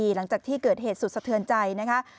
หลังจากที่เกิดเหตุสุดสะเทือนใจนะคะ